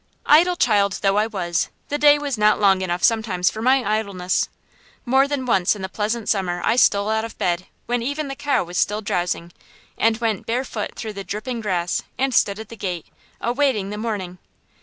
Idle child though I was, the day was not long enough sometimes for my idleness. More than once in the pleasant summer I stole out of bed when even the cow was still drowsing, and went barefoot through the dripping grass and stood at the gate, awaiting the morning.